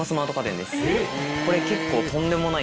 これ結構。